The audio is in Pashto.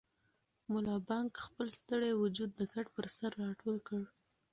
ملا بانګ خپل ستړی وجود د کټ پر سر راټول کړ.